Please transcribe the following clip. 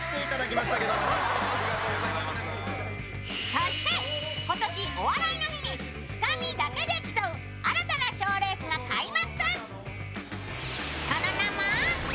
そして、今年「お笑いの日」につかみだけで競う新たな賞レースが開幕！